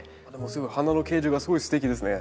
すごい花の形状がすごいすてきですね。